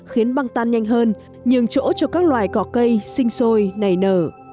khiến băng tan nhanh hơn nhường chỗ cho các loài cỏ cây sinh sôi nảy nở